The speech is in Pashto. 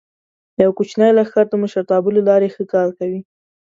یو کوچنی لښکر د مشرتابه له لارې ښه کار کوي.